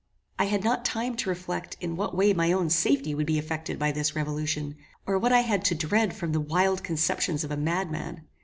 I had not time to reflect in what way my own safety would be effected by this revolution, or what I had to dread from the wild conceptions of a madman.